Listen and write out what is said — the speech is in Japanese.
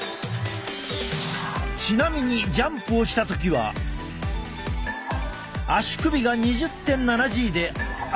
ちなみにジャンプをした時は足首が２０．７Ｇで頭は５．７Ｇ。